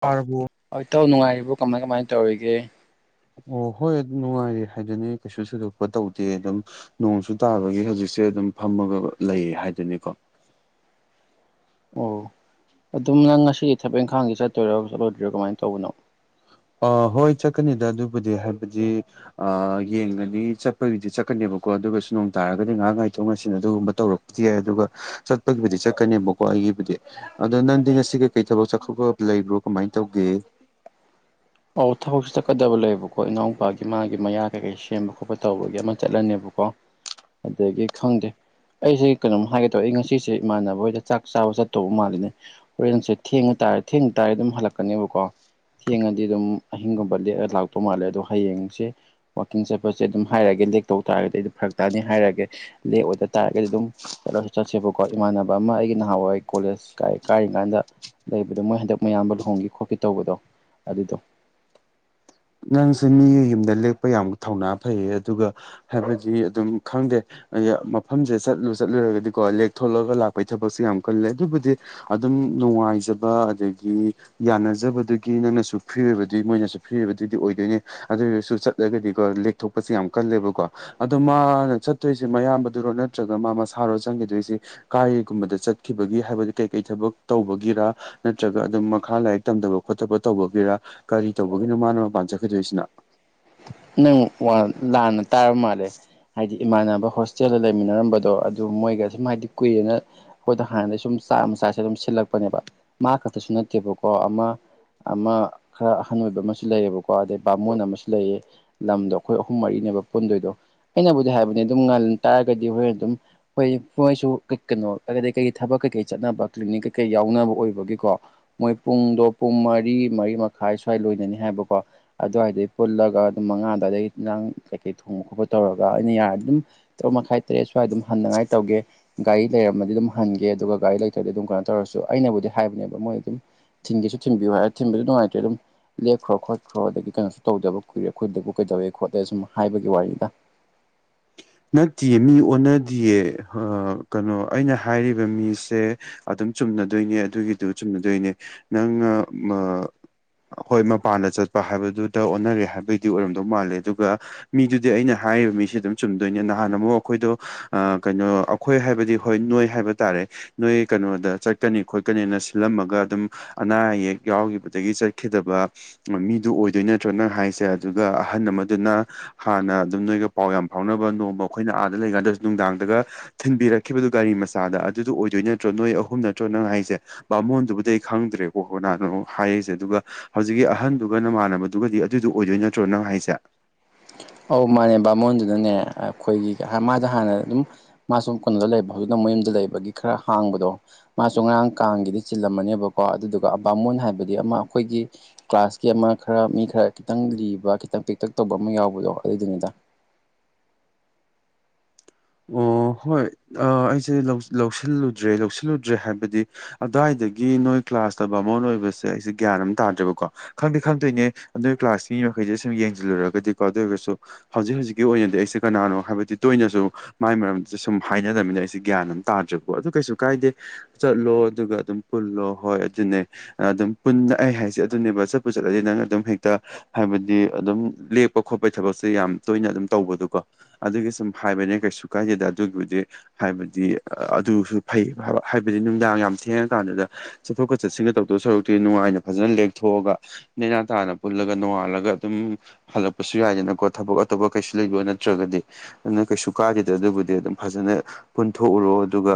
ꯇꯔꯕꯣ ꯑꯣ ꯏꯇꯥꯎ ꯅꯨꯡꯉꯥꯏꯔꯤꯕꯣ ꯀꯃꯥꯏ ꯀꯃꯥꯏ ꯇꯧꯔꯤꯒꯦ꯫ ꯑꯣ ꯍꯣꯏ ꯑꯗꯨꯝ ꯅꯨꯡꯉꯥꯏꯔꯤ ꯍꯥꯏꯗꯨꯅꯤ ꯀꯩꯁꯨ ꯁꯨꯗꯣꯛꯄ ꯇꯧꯗꯦ ꯑꯗꯨꯝ ꯅꯣꯡꯁꯨ ꯇꯥꯕꯒꯤ ꯍꯧꯖꯤꯛꯁꯦ ꯑꯗꯨꯝ ꯐꯝꯃꯒ ꯂꯩꯔꯦ ꯍꯥꯏꯗꯨꯅꯤꯀꯣ꯫ ꯑꯣ ꯑꯗꯨꯝ ꯅꯪ ꯉꯁꯤ ꯊꯕꯛ ꯏꯪꯈꯥꯡꯗꯤ ꯆꯠꯇꯣꯏꯔꯣ ꯆꯠꯂꯣꯏꯗ꯭ꯔꯤꯔꯣ ꯀꯃꯥꯏ ꯇꯧꯕꯅꯣ? ꯑꯣ ꯍꯣꯏ ꯆꯠꯀꯅꯤꯗ ꯑꯗꯨꯕꯨꯗꯤ ꯍꯥꯏꯕꯗꯤ ꯑ ꯌꯦꯡꯒꯅꯤ ꯆꯠꯄꯒꯤꯗꯤ ꯆꯠꯀꯅꯦꯕꯀꯣ ꯑꯗꯨꯒꯁꯨ ꯅꯣꯡ ꯇꯥꯔꯒꯗꯤ ꯉꯥꯏꯍꯥꯛ ꯉꯥꯏꯊꯣꯛ ꯉꯥꯏꯁꯤꯟ ꯑꯗꯨꯒꯨꯝꯕ ꯇꯧꯔꯛꯄ ꯌꯥꯏ ꯑꯗꯨꯒ ꯆꯠꯄꯒꯤꯕꯨꯗꯤ ꯆꯠꯀꯅꯦꯕꯀꯣ ꯑꯩꯒꯤꯕꯨꯗꯤ ꯑꯗꯣ ꯅꯪꯗꯤ ꯉꯁꯤ ꯀꯩꯀꯩ ꯊꯕꯛ ꯆꯠꯈꯣꯠꯄ ꯂꯩꯕ꯭ꯔꯣ ꯀꯃꯥꯏ ꯇꯧꯒꯦ꯫ ꯑꯎ ꯊꯕꯛꯁꯨ ꯆꯠꯀꯗꯕ ꯂꯩꯕꯀꯣ ꯏꯅꯥꯎꯄꯥꯒꯤ ꯃꯥꯒꯤ ꯃꯌꯥ ꯀꯩꯀꯩ ꯁꯦꯝꯕ ꯈꯣꯠꯄ ꯇꯧꯕꯒꯤ ꯑꯃ ꯆꯠꯂꯅꯦꯕꯀꯣ꯫ ꯑꯗꯒꯤ ꯈꯪꯗꯦ ꯑꯩꯁꯦ ꯀꯩꯅꯣꯝ ꯍꯥꯏꯒꯦ ꯇꯧ ꯑꯩ ꯉꯁꯤꯁꯦ ꯏꯃꯥꯟꯅꯕ ꯍꯣꯏꯗ ꯆꯥꯛ ꯆꯥꯕ ꯆꯠꯇꯧꯕ ꯃꯥꯜꯂꯤꯅꯦ꯫ ꯍꯣꯔꯦꯟꯁꯦ ꯊꯦꯡꯉ ꯇꯥꯔꯦ ꯊꯦꯡꯗ ꯇꯥꯗꯤ ꯑꯗꯨꯝ ꯍꯜꯂꯛꯀꯅꯦꯕꯀꯣ ꯊꯦꯡꯉ ꯗꯤ ꯗꯨꯝ ꯑꯍꯤꯡꯒꯨꯝꯕ ꯂꯦꯛꯑꯒ ꯂꯥꯛꯇꯧ ꯃꯥꯜꯂꯦ ꯑꯗꯣ ꯍꯌꯦꯡꯁꯦ ꯋꯥꯛꯀꯤꯡ ꯆꯠꯄꯁꯦ ꯑꯗꯨꯝ ꯍꯥꯏꯔꯛꯒꯦ ꯂꯦꯛ ꯇꯧ ꯇꯥꯔꯒꯗꯤ ꯑꯩ ꯑꯗꯨꯝ ꯐꯔꯛ ꯇꯥꯅꯤ ꯍꯥꯏꯔꯒꯦ ꯂꯦꯛ ꯑꯣꯏꯗ ꯇꯥꯔꯒꯗꯤ ꯑꯗꯨꯝ ꯆꯠꯂꯁꯨ ꯆꯠꯁꯦꯕꯀꯣ ꯏꯃꯥꯟꯅꯕ ꯑꯃ ꯑꯩꯒꯤ ꯅꯍꯥꯟꯋꯥꯢ ꯀꯣꯂꯦꯖ ꯀꯥꯢ ꯀꯥꯔꯤꯀꯥꯟꯗ ꯂꯩꯕꯗꯣ ꯃꯣꯏ ꯍꯟꯗꯛ ꯃꯌꯥꯝꯕ ꯂꯨꯍꯣꯡꯈꯤ ꯈꯣꯠꯀꯤ ꯇꯧꯕꯗꯣ꯫ ꯑꯗꯨꯗꯣ꯫ ꯅꯪꯁꯦ ꯃꯤꯒꯤ ꯌꯨꯝꯗ ꯂꯦꯛꯄ ꯌꯥꯝ ꯊꯧꯅꯥ ꯐꯩꯌꯦ ꯑꯗꯨꯒ ꯍꯥꯏꯕꯗꯤ ꯑꯗꯨꯝ ꯈꯪꯗꯦ ꯑꯌꯥ ꯃꯐꯝꯁꯦ ꯆꯠꯂꯨ ꯆꯠꯂꯨꯔꯒꯗꯤꯀꯣ ꯂꯦꯛꯊꯣꯛꯂꯛꯒ ꯂꯥꯛꯄꯒꯤ ꯊꯕꯛꯁꯦ ꯌꯥꯝ ꯀꯜꯂꯦ ꯑꯗꯨꯕꯨꯗꯤ ꯑꯗꯨꯝ ꯅꯨꯡꯉꯥꯏꯖꯕ ꯑꯗꯒꯤ ꯌꯥꯅꯖꯕꯗꯨꯒꯤ ꯅꯪꯅꯁꯨ ꯐ꯭ꯔꯤ ꯑꯣꯏꯕꯗꯨꯏ ꯃꯣꯏꯅꯁꯨ ꯐ꯭ꯔꯤ ꯑꯣꯏꯕ ꯑꯗꯨꯗꯤ ꯑꯣꯏꯗꯣꯏꯅꯦ ꯑꯗꯨꯑꯣꯢꯔꯁꯨ ꯆꯠꯂꯒꯗꯤꯀꯣ ꯂꯦꯛꯊꯣꯛꯄꯁꯦ ꯌꯥꯝ ꯀꯜꯂꯦꯕꯀꯣ ꯑꯗꯣ ꯃꯥꯅ ꯆꯠꯇꯣꯏꯁꯦ ꯃꯌꯥꯝꯕꯗꯨꯔꯣ ꯅꯠꯇ꯭ꯔꯒ ꯃꯥ ꯃꯁꯥꯔꯣ ꯆꯪꯒꯤꯗꯣꯏꯖꯤ ꯀꯥꯏꯒꯨꯝꯕꯗ ꯆꯠꯈꯤꯕꯒꯤ ꯍꯥꯏꯕꯗꯤ ꯀꯩ ꯀꯩ ꯊꯕꯛ ꯇꯧꯕꯒꯤꯔ ꯅꯠꯇ꯭ꯔꯒ ꯑꯗꯨꯝ ꯃꯈꯥ ꯂꯥꯏꯔꯤꯛ ꯇꯝꯗꯕ ꯈꯣꯠꯇꯕ ꯇꯧꯕꯒꯤꯔ ꯀꯔꯤ ꯇꯧꯕꯒꯤꯅꯣ ꯃꯥꯅ ꯃꯄꯥꯟ ꯆꯠꯈꯤꯗꯣꯏꯁꯤꯅ ꯅꯪ ꯋꯥꯟ ꯂꯥꯟꯅ ꯇꯥꯔ ꯃꯥꯜꯂꯦ ꯍꯥꯏꯗꯤ ꯏꯃꯥꯟꯅꯕ ꯍꯣꯁꯇꯦꯜꯗ ꯂꯩꯃꯤꯟꯅꯔꯝꯕꯗꯣ ꯑꯗꯨ ꯃꯣꯏꯒ ꯁꯨꯝ ꯍꯥꯏꯗꯤ ꯀꯨꯏꯔꯦꯅ ꯑꯈꯣꯏꯗ ꯍꯥꯟꯅꯗꯩ ꯁꯨꯝ ꯆꯥꯛ ꯑꯃ ꯆꯥꯁꯦ ꯑꯗꯨꯝ ꯁꯤꯜꯂꯛꯄꯅꯦꯕ ꯃꯥ ꯈꯛꯇꯁꯨ ꯅꯠꯇꯦꯕꯀꯣ ꯑꯃ ꯑꯃ ꯈꯔ ꯑꯍꯟ ꯑꯣꯏꯕ ꯑꯃꯁꯨ ꯂꯩꯌꯦꯕꯀꯣ ꯑꯗꯩ ꯚꯥꯃꯣꯟ ꯑꯃꯁꯨ ꯂꯩꯌꯦ ꯂꯝꯗꯣ ꯑꯈꯣꯏ ꯑꯍꯨꯝ ꯃꯔꯤꯅꯦꯕ ꯄꯨꯟꯗꯣꯏꯗꯣ ꯑꯩꯅꯕꯨꯗꯤ ꯍꯥꯏꯕꯅꯦ ꯑꯗꯨꯝ ꯉꯟ ꯇꯥꯔꯒꯗꯤ ꯍꯣꯔꯦꯟ ꯑꯗꯨꯝ ꯍꯣꯏ ꯃꯣꯏꯁꯨ ꯀ ꯀꯩꯅꯣ ꯀ ꯀꯩꯀꯩ ꯊꯕꯛ ꯀꯩꯀꯩ ꯆꯠꯅꯕ ꯀ꯭ꯂꯤꯅꯤꯛ ꯀꯩꯀꯩ ꯌꯥꯎꯅꯕ ꯑꯣꯏꯕꯒꯤꯀꯣ ꯃꯣꯏ ꯄꯨꯡꯗꯣ ꯄꯨꯡ ꯃꯔꯤ ꯃꯔꯤ ꯃꯈꯥꯏ ꯁ꯭ꯋꯥꯏ ꯂꯣꯏꯗꯣꯢꯅꯦ ꯍꯥꯏꯕꯀꯣ ꯑꯗꯨꯋꯥꯏꯗꯩ ꯄꯨꯜꯂꯒ ꯄꯨꯡ ꯃꯉꯥ ꯑꯗ꯭ꯋꯥꯢꯗꯩ ꯏꯟꯖꯥꯡ ꯀꯩꯀꯩ ꯊꯣꯡꯕ ꯈꯣꯠꯄ ꯇꯧꯔꯒ ꯑꯩꯅ ꯌꯥꯔꯗꯤ ꯗꯨꯝ ꯇꯔꯨꯛ ꯃꯈꯥꯏ ꯇꯔꯦꯠ ꯁ꯭ꯋꯥꯏ ꯑꯗꯨꯝ ꯍꯟꯅꯉꯥꯏ ꯇꯧꯒꯦ ꯒꯥꯔꯤ ꯂꯩꯔꯝꯃꯗꯤ ꯑꯗꯨꯝ ꯍꯟꯒꯦ ꯑꯗꯨꯒ ꯒꯥꯔꯤ ꯂꯩꯇ꯭ꯔꯗꯤ ꯑꯗꯨꯝ ꯀꯩꯅꯣ ꯇꯧꯔꯁꯨ ꯑꯩꯅꯕꯨꯗꯤ ꯍꯥꯏꯕꯅꯦꯕ ꯃꯣꯏ ꯑꯗꯨꯝ ꯊꯤꯟꯒꯦꯁꯨ ꯊꯤꯟꯕꯤꯌꯨ ꯍꯥꯏꯔ ꯊꯤꯟꯕꯖꯨ ꯅꯨꯡꯉꯥꯏꯇ꯭ꯔꯦ ꯑꯗꯨꯝ ꯂꯦꯛꯈ꯭ꯔꯣ ꯈꯣꯠꯈ꯭ꯔꯣ ꯑꯗꯒꯤ ꯀꯩꯅꯣꯁꯨ ꯇꯧꯗꯕ ꯀꯨꯏꯔꯦ ꯈꯣꯏꯗꯕꯨ ꯀꯩꯗꯧꯋꯦ ꯈꯣꯠꯂꯦ ꯁꯨꯝ ꯍꯥꯏꯕꯒꯤ ꯋꯥꯔꯤꯅꯤꯗ ꯅꯠꯇꯤꯌꯦ ꯃꯤ ꯑꯣꯟꯅꯗꯤꯌꯦ ꯑ ꯀꯅꯣ ꯑꯩꯅ ꯍꯥꯏꯔꯤꯕ ꯃꯤꯁꯦ ꯑꯗꯨꯝ ꯆꯨꯝꯅꯗꯣꯏꯅꯦ ꯑꯗꯨꯒꯤꯗꯨ ꯆꯨꯝꯅꯗꯣꯏꯅꯦ ꯅꯪ ꯃ ꯍꯣꯏ ꯃꯄꯥꯟꯗ ꯆꯠꯄ ꯍꯥꯏꯕꯗꯨꯗ ꯑꯣꯟꯅꯔꯦ ꯍꯥꯏꯕꯩꯗꯤ ꯑꯣꯏꯔꯝꯗꯧ ꯃꯥꯜꯂꯦ ꯑꯗꯨꯒ ꯃꯤꯗꯨꯗꯤ ꯑꯩꯅ ꯍꯥꯏꯔꯤꯕ ꯃꯤꯁꯤ ꯑꯗꯨꯝ ꯆꯨꯝꯗꯣꯏꯅꯦ ꯅꯍꯥꯟ ꯑꯃꯨꯛ ꯑꯈꯣꯏꯗꯣ ꯑ ꯀꯩꯅꯣ ꯑꯩꯈꯣꯏ ꯍꯥꯏꯕꯗꯤ ꯍꯣꯏ ꯅꯣꯏ ꯍꯥꯏꯕ ꯇꯥꯔꯦ ꯅꯣꯏ ꯀꯩꯅꯣꯗ ꯆꯠꯀꯅꯤ ꯈꯣꯠꯀꯅꯤꯅ ꯁꯤꯜꯂꯝꯃꯒ ꯑꯗꯨꯝ ꯑꯅꯥ ꯑꯌꯦꯛ ꯌꯥꯎꯒꯤꯕꯗꯒꯤ ꯆꯠꯈꯤꯗꯕ ꯃꯤꯗꯨ ꯑꯣꯏꯗꯣꯏ ꯅꯠꯇ꯭ꯔꯣ ꯅꯪ ꯍꯥꯏꯁꯦ ꯑꯗꯨꯒ ꯑꯍꯟ ꯑꯃꯗꯨꯅ ꯍꯥꯟꯅ ꯑꯗꯨꯝ ꯅꯣꯏꯒ ꯄꯥꯎ ꯌꯥꯝ ꯐꯥꯎꯅꯕ ꯅꯣꯡꯃ ꯑꯩꯈꯣꯏꯅ ꯑꯥꯗ ꯂꯩꯀꯥꯟꯗꯁꯨ ꯅꯨꯡꯗꯥꯡꯗꯒ ꯊꯤꯟꯕꯤꯔꯛꯈꯤꯕꯗꯨ ꯒꯥꯔꯤ ꯃꯆꯥꯗ ꯑꯗꯨꯗꯣ ꯑꯣꯏꯗꯣꯏ ꯅꯠꯇ꯭ꯔꯣ ꯅꯣꯏ ꯑꯍꯨꯝ ꯅꯠꯇ꯭ꯔꯣ ꯅꯪ ꯍꯥꯏꯖꯦ ꯚꯥꯃꯣꯟꯗꯨꯕꯨꯗꯤ ꯑꯩ ꯈꯪꯗ꯭ꯔꯦꯀꯣ ꯍꯣꯅꯥꯅꯣ ꯍꯥꯏꯔꯤꯁꯦ ꯑꯗꯨꯒ ꯍꯧꯖꯤꯛꯀꯤ ꯑꯍꯟꯗꯨꯒ ꯅꯃꯥꯟꯅꯕꯗꯨꯒꯗꯤ ꯑꯗꯨꯗꯣ ꯑꯣꯏꯗꯣꯏ ꯅꯠꯇ꯭ꯔꯣ ꯅꯪ ꯍꯥꯏꯁꯦ ꯑꯧ ꯃꯥꯅꯦ ꯚꯥꯃꯣꯟꯗꯨꯅꯅꯦ ꯑꯩꯈꯣꯏꯒꯤ ꯍ ꯃꯥꯗ ꯍꯥꯟꯅ ꯑꯗꯨꯝ ꯃꯥ ꯁꯨꯝ ꯀꯨꯟꯗ ꯂꯩꯕ ꯍꯧꯖꯤꯛꯅ ꯃꯌꯨꯝꯗ ꯂꯩꯕꯒꯤ ꯈꯔ ꯍꯥꯡꯕꯗꯣ ꯃꯥꯁꯨ ꯉꯔꯥꯡ ꯀꯥꯡꯒꯤꯗꯤ ꯆꯤꯜꯂꯝꯃꯅꯦꯕꯀꯣ ꯑꯗꯨꯗꯨꯒ ꯑꯕꯥꯃꯣꯟ ꯍꯥꯏꯕꯗꯤ ꯑꯃꯥ ꯑꯈꯣꯏꯒꯤ ꯀ꯭ꯂꯥꯁꯀꯤ ꯑꯃ ꯈꯔ ꯃꯤ ꯈꯔ ꯈꯤꯇꯪ ꯂꯤꯕ ꯈꯤꯇꯪ ꯄꯤꯛꯇꯛ ꯇꯧꯕ ꯑꯃ ꯌꯥꯎꯕꯗꯣ ꯑꯗꯨꯗꯨꯅꯤꯗ ꯑꯣ ꯍꯣꯏ ꯑꯥ ꯑꯩꯁꯦ ꯂꯧ ꯂꯧꯁꯤꯜꯂꯨꯗ꯭ꯔꯦ ꯂꯧꯁꯤꯜꯂꯨꯗ꯭ꯔꯦ ꯍꯥꯏꯕꯗꯤ ꯑꯗ꯭ꯋꯥꯏꯗꯒꯤ ꯅꯣꯏ ꯀ꯭ꯂꯥꯁꯇ ꯕꯥꯃꯣꯟ ꯑꯣꯏꯕꯁꯦ ꯑꯩꯁꯦ ꯒ꯭ꯌꯥꯟ ꯑꯝ ꯇꯥꯗ꯭ꯔꯦꯕꯀꯣ ꯈꯪꯗꯤ ꯈꯪꯗꯣꯏꯅꯦ ꯅꯣꯏ ꯀ꯭ꯂꯥꯁꯀꯤ ꯃꯈꯩꯖꯦ ꯁꯨꯝ ꯌꯦꯡꯖꯤꯜꯂꯨꯔꯒꯗꯤꯀꯣ ꯑꯗꯨ ꯑꯣꯏꯒꯁꯨ ꯍꯧꯖꯤꯛ ꯍꯧꯖꯤꯛꯀꯤ ꯑꯣꯏꯅꯗꯤ ꯑꯩꯁꯦ ꯀꯅꯥꯅꯣ ꯍꯥꯏꯕꯗꯤ ꯇꯣꯏꯅꯖꯨ ꯃꯥꯏ ꯃꯔꯝꯗ ꯁꯨꯝ ꯍꯥꯏꯅꯗꯝꯅꯤꯅ ꯑꯩꯁꯦ ꯒ꯭ꯌꯥꯟ ꯑꯝ ꯇꯥꯗ꯭ꯔꯦꯕꯀꯣ ꯑꯗꯨ ꯀꯩꯁꯨ ꯀꯥꯏꯗꯦ ꯆꯠꯂꯣ ꯑꯗꯨꯒ ꯑꯗꯨꯝ ꯄꯨꯜꯂꯣ ꯍꯣꯏ ꯑꯗꯨꯅꯦ ꯑꯗꯨꯝ ꯄꯨꯟ ꯑꯩ ꯍꯥꯏꯁꯦ ꯑꯗꯨꯅꯦꯕ ꯆꯠꯄꯨ ꯆꯠꯂꯗꯤ ꯅꯪ ꯑꯗꯨꯝ ꯍꯦꯛꯇ ꯍꯥꯏꯕꯗꯤ ꯑꯗꯨꯝ ꯂꯦꯛꯄ ꯈꯣꯠꯄꯩ ꯊꯕꯛꯁꯦ ꯌꯥꯝ ꯇꯣꯏꯅ ꯑꯗꯨꯝ ꯇꯧꯕꯗꯨꯀꯣ ꯑꯗꯨꯒꯤ ꯁꯨꯝ ꯍꯥꯏꯕꯅꯦ ꯀꯩꯁꯨ ꯀꯥꯏꯗꯦꯗ ꯑꯗꯨꯏꯕꯨꯗꯤ ꯍꯥꯏꯕꯗꯤ ꯑꯗꯨꯁꯨ ꯐꯩ ꯍꯕ ꯍꯥꯏꯕꯗꯤ ꯅꯨꯡꯗꯥꯡ ꯌꯥꯝ ꯊꯦꯡꯉ ꯀꯥꯟꯗꯨꯗ ꯆꯠꯊꯣꯛꯀ ꯆꯠꯁꯤꯟꯒ ꯇꯧꯗꯣꯏꯁꯔꯨꯛꯇꯤ ꯅꯨꯡꯉꯥꯏꯅ ꯐꯖꯅ ꯂꯦꯛꯊꯣꯛꯑꯒ ꯅꯦꯅꯥ ꯇꯥꯅ ꯄꯨꯜꯂꯒ ꯅꯣꯡꯉꯥꯜꯂꯒ ꯑꯗꯨꯝ ꯍꯜꯂꯛꯄꯁꯨ ꯌꯥꯏꯗꯅꯀꯣ ꯊꯕꯛ ꯑꯇꯣꯞꯄ ꯀꯩꯁꯨ ꯂꯩꯕ ꯅꯠꯇ꯭ꯔꯒꯗꯤ ꯑꯗꯨꯅ ꯀꯩꯁꯨ ꯀꯥꯗꯦ ꯇꯥ ꯑꯗꯨꯕꯨꯗꯤ ꯑꯗꯨꯝ ꯐꯖꯅ ꯄꯨꯟꯊꯣꯛꯎꯔꯣ ꯑꯗꯨꯒ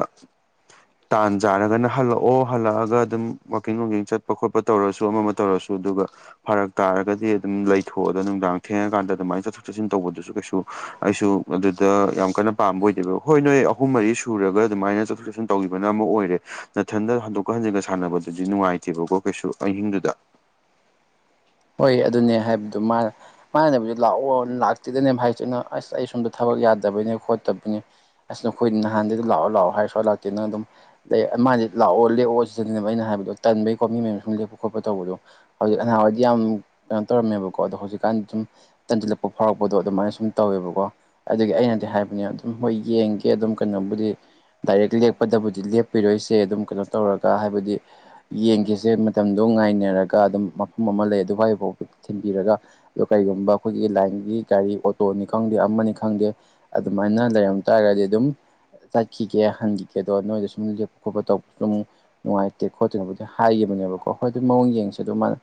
[inaudible] ꯇꯥꯟ ꯆꯥꯔꯒꯅ ꯍꯜꯂꯛꯑꯣ ꯍꯜꯂꯛꯑꯒ ꯑꯗꯨꯝ ꯋꯥꯛꯀꯤꯡ ꯅꯨꯡꯀꯤꯡ ꯆꯠꯄ ꯈꯣꯠꯄ ꯇꯧꯔꯁꯨ ꯑꯃ ꯑꯃ ꯇꯧꯔꯁꯨ ꯑꯗꯨꯒ ꯐꯔꯛ ꯇꯥꯔꯒꯗꯤ ꯑꯗꯨꯝ ꯂꯩꯊꯣꯛꯑꯣꯗ ꯅꯨꯡꯗꯥꯡ ꯊꯦꯡꯉꯀꯥꯟꯗ ꯑꯗꯨꯃꯥꯏ ꯆꯠꯊꯣꯛ ꯆꯠꯁꯤꯟ ꯇꯧꯕꯗꯨꯁꯨ ꯀꯩꯁꯨ ꯑꯩꯁꯨ ꯑꯗꯨꯗ ꯌꯥꯝ ꯀꯟꯅ ꯄꯥꯝꯕ ꯑꯣꯏꯗꯦꯕ ꯍꯣꯏ ꯅꯣꯏ ꯑꯍꯨꯝ ꯃꯔꯤ ꯁꯨꯔꯒ ꯑꯗꯨꯃꯥꯏꯅ ꯆꯠꯊꯣꯛ ꯆꯠꯁꯤꯟ ꯇꯧꯒꯤꯕꯅ ꯑꯃꯥ ꯑꯣꯏꯔꯦ ꯅꯊꯟꯗ ꯍꯟꯗꯣꯛꯀ ꯍꯟꯖꯤꯟꯒ ꯁꯥꯟꯅꯕꯗꯨꯗꯤ ꯅꯨꯡꯉꯥꯏꯇꯦꯕꯀꯣ ꯀꯩꯁꯨ ꯑꯍꯤꯡꯗꯨꯗ ꯍꯣꯏ ꯑꯗꯨꯅꯦ ꯍꯥꯏꯕꯗꯨ ꯃꯥꯅ ꯃꯥꯟꯅꯕꯨꯗꯤ ꯂꯥꯛꯑꯣ ꯂꯥꯛꯇꯦꯗꯅꯦꯝ ꯍꯥꯏꯁꯦ ꯑꯩꯅ ꯑꯁ ꯑꯩ ꯁꯣꯝꯗ ꯊꯕꯛ ꯌꯥꯗꯕꯩꯅꯦ ꯈꯣꯠꯇꯕꯩꯅꯦ ꯑꯁ ꯅꯈꯣꯏꯅꯤ ꯅꯍꯥꯟꯗꯩꯗꯨ ꯂꯥꯛꯑꯣ ꯂꯥꯛꯑꯣ ꯍꯥꯏꯔ ꯁꯨꯂꯥꯛ ꯂꯥꯛꯇꯦ ꯅꯪ ꯑꯗꯨꯝ ꯗꯩ ꯃꯥꯟꯗꯤ ꯂꯥꯛꯑꯣ ꯂꯦꯛꯑꯣ ꯁꯤꯖꯟꯅꯦꯕ ꯑꯩꯅ ꯍꯥꯏꯕꯗꯣ ꯇꯟꯕꯩꯀꯣ ꯃꯤ ꯃꯌꯨꯝ ꯁꯨꯝ ꯂꯦꯛꯄ ꯈꯣꯠꯄ ꯇꯧꯕꯗꯣ ꯍꯧꯖꯤ ꯑꯉꯥꯡꯑꯣꯏꯗꯤ ꯌꯥꯝ ꯀꯩꯅꯣ ꯇꯧꯔꯝꯃꯦꯕꯀꯣ ꯑꯗꯣ ꯍꯧꯖꯤꯛꯀꯥꯟ ꯁꯨꯝ ꯇꯟꯖꯤꯟꯂꯛꯄ ꯐꯥꯎꯔꯛꯄꯗꯣ ꯑꯗꯨꯃꯥꯏꯅ ꯁꯨꯝ ꯇꯧꯋꯦꯕꯀꯣ ꯑꯗꯒꯤ ꯑꯩꯅꯗꯤ ꯍꯥꯏꯕꯅꯦ ꯑꯗꯨꯝ ꯍꯣꯏ ꯌꯦꯡꯒꯦ ꯑꯗꯨꯝ ꯀꯩꯅꯣꯕꯨꯗꯤ ꯗꯥꯏꯔꯦꯛ ꯂꯦꯛꯄꯗꯕꯨꯗꯤ ꯂꯦꯞꯄꯤꯔꯣꯏꯁꯦ ꯑꯗꯨꯝ ꯀꯩꯅꯣ ꯇꯧꯔꯒ ꯍꯥꯏꯕꯗꯤ ꯌꯦꯡꯈꯤꯁꯦ ꯃꯇꯝꯗꯣ ꯉꯥꯏꯅꯔꯒ ꯑꯗꯨꯝ ꯃꯐꯝ ꯑꯃꯥ ꯂꯩ ꯑꯗꯨꯋꯥꯏꯕꯥꯎ ꯊꯤꯟꯕꯤꯔꯒ ꯗꯣ ꯀꯩꯒꯨꯝꯕ ꯑꯈꯣꯏꯒꯤ ꯂꯥꯏꯟꯒꯤ ꯒꯥꯔꯤ ꯑꯣꯇꯣꯅꯤ ꯈꯪꯗꯦ ꯑꯃꯥꯅꯤ ꯈꯪꯗꯦ ꯑꯗꯨꯃꯥꯏꯅ ꯂꯩꯔꯝ ꯇꯥꯔꯒꯗꯤ ꯑꯗꯨꯝ ꯆꯠꯈꯤꯒꯦ ꯍꯟꯒꯤꯒꯦꯗꯣ ꯅꯣꯏꯗ ꯁꯨꯝ ꯂꯦꯞꯄ ꯈꯣꯠꯄ ꯇꯧꯕꯁꯨ ꯑꯃꯨꯛ ꯅꯨꯡꯉꯥꯏꯇꯦ ꯈꯣꯠꯇꯦꯅꯕꯨꯗꯤ ꯍꯥꯏꯒꯤꯕꯅꯦꯕꯀꯣ ꯍꯣꯏ ꯑꯗꯨ ꯃꯑꯣꯡ ꯌꯦꯡꯁꯦ ꯑꯗꯨ ꯃꯥꯅ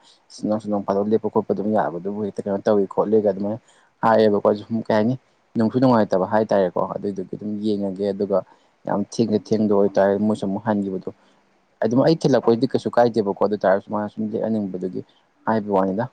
ꯅꯣꯏꯁꯨ ꯅꯣꯡꯐꯥꯗꯣꯛ ꯂꯦꯛꯄ ꯈꯣꯠꯄ ꯑꯗꯨꯝ ꯌꯥꯕꯗꯨꯕꯨ ꯍꯦꯛꯇ ꯀꯩꯅꯣ ꯇꯧꯋꯤ ꯈꯣꯠꯂꯦꯒ ꯑꯗꯨꯃꯥꯏꯅ ꯍꯥꯏꯌꯦꯕꯀꯣ ꯁꯨꯝ ꯀꯩ ꯍꯥꯏꯅꯤ ꯅꯨꯡꯁꯨ ꯅꯨꯡꯉꯥꯏꯇꯕ ꯍꯥꯏꯇꯥꯔꯦꯀꯣ ꯑꯗꯨꯏꯗꯨꯒꯤ ꯑꯗꯨꯝ ꯌꯦꯡꯉꯒꯦ ꯑꯗꯨꯒ ꯌꯥꯝ ꯊꯦꯡꯗ ꯊꯦꯡꯗ ꯑꯣꯏꯇꯥꯔ ꯃꯣꯏꯁꯨ ꯑꯃꯨꯛ ꯍꯟꯒꯤꯕꯗꯣ ꯑꯗꯨꯝ ꯑꯩ ꯊꯤꯜꯂꯛꯄꯩꯗꯤ ꯀꯩꯁꯨ ꯀꯥꯏꯗꯦꯕꯀꯣ ꯑꯗꯨꯇꯥꯥꯔꯁꯨ ꯃꯥꯅ ꯁꯨꯝ ꯂꯦꯛꯑꯟꯅꯤꯡꯕꯗꯨꯒꯤ ꯍꯥꯏꯕꯩ ꯋꯥꯅꯤꯗ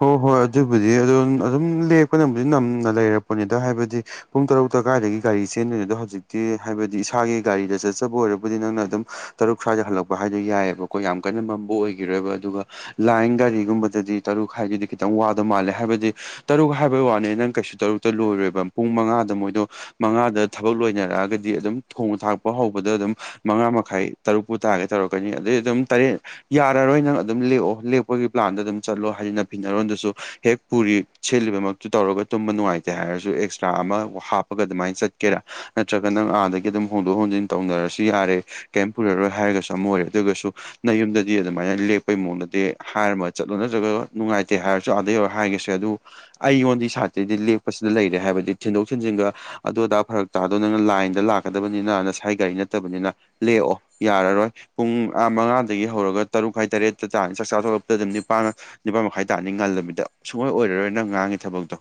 ꯍꯣ ꯍꯣꯏ ꯑꯗꯨꯕꯨꯗꯤ ꯑꯗꯨꯟ ꯑꯗꯨꯝ ꯂꯦꯛꯄꯅꯕꯨꯗꯤ ꯅꯝꯅ ꯂꯩꯔꯛꯄꯅꯤꯗ ꯍꯥꯏꯕꯗꯤ ꯄꯨꯡ ꯇꯔꯨꯛꯇ ꯀꯥꯏꯗꯒꯤ ꯒꯥꯔꯤ ꯆꯦꯟꯗꯣꯏꯅꯣꯗ ꯍꯧꯖꯤꯛꯇꯤ ꯍꯥꯏꯕꯗꯤ ꯏꯁꯥꯒꯤ ꯒꯥꯔꯤꯗ ꯆꯠꯆꯕ ꯑꯣꯏꯔꯕꯨꯗꯤ ꯅꯪꯅ ꯑꯗꯨꯝ ꯇꯔꯨꯛ ꯁ꯭ꯋꯥꯏꯗ ꯍꯜꯂꯛꯄ ꯍꯥꯏꯗꯣ ꯌꯥꯏꯌꯦꯕꯀꯣ ꯌꯥꯝ ꯀꯟꯅ ꯃꯝꯕ ꯑꯣꯏꯒꯤꯔꯣꯏꯕ ꯑꯗꯨꯒ ꯂꯥꯏꯟ ꯒꯥꯔꯤꯒꯨꯝꯕꯗꯗꯤ ꯇꯔꯨꯛ ꯈꯥꯏꯒꯤꯗꯤ ꯈꯤꯇꯪ ꯋꯥꯗꯣ ꯃꯥꯜꯂꯦ ꯍꯥꯏꯕꯗꯤ ꯇꯔꯨꯛ ꯍꯥꯏꯕꯩ ꯋꯥꯅꯦ ꯅꯪ ꯀꯩꯁꯨ ꯇꯔꯨꯛꯇ ꯂꯣꯏꯔꯣꯏꯕ ꯄꯨꯡ ꯃꯉꯥꯗ ꯃꯣꯏꯗꯣ ꯃꯉꯥꯗ ꯊꯕꯛ ꯂꯣꯏꯅꯔꯛꯑꯒꯗꯤ ꯑꯗꯨꯝ ꯊꯣꯡꯕ ꯊꯥꯛꯄ ꯍꯧꯕꯗ ꯑꯗꯨꯝ ꯃꯉꯥ ꯃꯈꯥꯏ ꯇꯔꯨꯛꯄꯨ ꯇꯥꯒꯦ ꯇꯧꯔꯛꯀꯅꯤ ꯑꯗꯩ ꯑꯗꯨꯝ ꯇꯔꯦꯠ ꯌꯥꯔꯔꯣꯏ ꯅꯪ ꯑꯗꯨꯝ ꯂꯦꯛꯑꯣ ꯂꯦꯛꯄꯒꯤ ꯄ꯭ꯂꯥꯟꯗ ꯑꯗꯨꯝ ꯆꯠꯂꯣ ꯍꯥꯏꯗꯤ ꯅ ꯐꯤꯅꯔꯣꯟꯗꯁꯨ ꯍꯦꯛ ꯄꯨꯔꯤ ꯁꯦꯠꯂꯤꯕꯃꯛꯇꯨ ꯇꯧꯔꯒ ꯇꯨꯝꯕ ꯅꯨꯡꯉꯥꯏꯇꯦ ꯍꯥꯏꯔꯁꯨ ꯑꯦꯛꯁꯇ꯭ꯔꯥ ꯑꯃꯥ ꯍꯥꯞ ꯄꯒꯥ ꯑꯗꯨꯃꯥꯏꯟ ꯆꯠꯀꯦꯔꯥ ꯅꯠꯇ꯭ꯔꯒ ꯅꯪ ꯑꯥꯗꯒꯤ ꯑꯗꯨꯝ ꯍꯣꯡꯗꯣꯛ ꯍꯣꯡꯖꯤꯟ ꯇꯧꯅꯔꯁꯨ ꯌꯥꯔꯦ ꯀꯩꯝ ꯄꯨꯔꯔꯣꯏ ꯍꯥꯏꯔꯒꯁꯨ ꯑꯃ ꯑꯣꯏꯔꯦ ꯑꯗꯨꯒꯁꯨ ꯅꯌꯨꯝꯗꯗꯤ ꯑꯗꯨꯃꯥꯏꯅ ꯂꯦꯛꯄꯩ ꯃꯑꯣꯡꯗꯗꯤ ꯍꯥꯏꯔꯝꯃ ꯆꯠꯂꯣ ꯅꯠꯇ꯭ꯔꯒ ꯅꯨꯡꯉꯥꯏꯇꯦ ꯍꯥꯏꯔꯁꯨ ꯑꯗ ꯌꯧꯔ ꯍꯥꯏꯒꯦꯁꯨ ꯌꯥꯏ ꯑꯗꯨ ꯑꯩꯉꯣꯟꯗꯩ ꯁꯥꯠꯇꯩꯗꯤ ꯂꯦꯛꯄꯁꯤꯗ ꯂꯩꯔꯦ ꯍꯥꯏꯕꯗꯤ ꯊꯤꯟꯗꯣꯛ ꯊꯤꯟꯖꯤꯟꯒ ꯑꯗꯨ ꯑꯗꯥ ꯐꯔꯛ ꯗꯣ ꯅꯪꯅ ꯂꯥꯏꯟꯗ ꯂꯥꯛꯀꯗꯕꯅꯤꯅ ꯅꯁꯥꯏ ꯒꯥꯔꯤ ꯅꯠꯇꯕꯅꯤꯅ ꯂꯦꯛꯑꯣ ꯌꯥꯔꯔꯣꯏ ꯄꯨꯡ ꯑꯥ ꯃꯉꯥꯗꯒꯤ ꯍꯧꯔꯒ ꯇꯔꯨꯛ ꯈꯥꯏ ꯇꯔꯦꯠꯇ ꯇꯥꯅꯤ ꯆꯥꯛ ꯆꯥ ꯇꯣꯛꯂꯛꯄꯗꯗꯤ ꯅꯤꯄꯥꯟ ꯅꯤꯄꯥꯥꯟ ꯃꯈꯥꯏ ꯇꯥꯅꯤ ꯉꯜꯂꯕꯤꯗ ꯁꯨꯡꯑꯣꯏ ꯑꯣꯏꯔꯔꯣꯏ ꯅꯪ ꯉꯥꯡꯉꯤ ꯊꯕꯛꯇꯣ